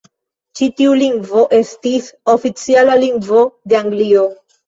Ĉi tiu lingvo estis oficiala lingvo de Anglio.